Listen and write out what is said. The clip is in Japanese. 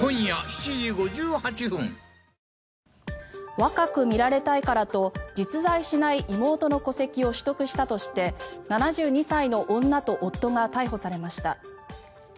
若く見られたいからと実在しない妹の戸籍を取得したとして７２歳の女と夫が逮捕されました。